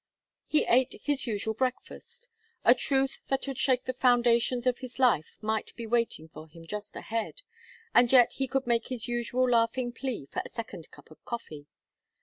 He ate his usual breakfast. A truth that would shake the foundations of his life might be waiting for him just ahead, and yet he could make his usual laughing plea for a second cup of coffee.